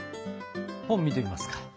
本見てみますか？